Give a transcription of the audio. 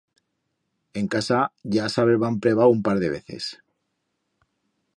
En casa ya s'habeban prebau un par de veces.